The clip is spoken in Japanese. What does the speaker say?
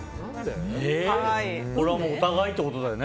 これはもうお互いってことだよね。